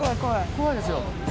怖いですよ。